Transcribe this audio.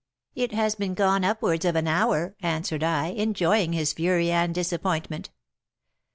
'It has been gone upwards of an hour,' answered I, enjoying his fury and disappointment.